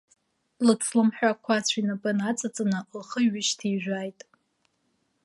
Лыцламҳәа қәацә инапы наҵаҵаны лхы ҩышьҭижәааит.